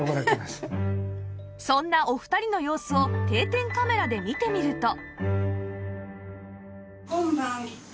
そんなお二人の様子を定点カメラで見てみると